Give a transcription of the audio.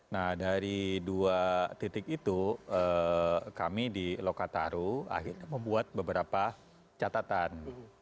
nah dari dua titik itu kami di lokataru akhirnya membuat beberapa catatan